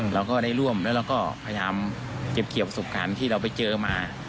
เราก็ได้ร่วมแล้วเราก็พยายามเก็บเกี่ยวประสบการณ์ที่เราไปเจอมา